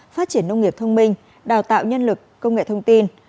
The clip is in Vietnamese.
phát triển nông nghiệp thông minh đào tạo nhân lực công nghệ thông tin